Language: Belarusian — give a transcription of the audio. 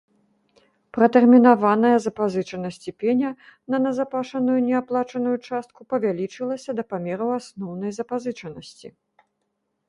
Пратэрмінаваная запазычанасць і пеня на назапашаную неаплачаную частку павялічылася да памеру асноўнай запазычанасці.